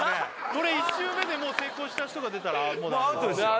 これ１周目で成功した人が出たらもうアウトですよね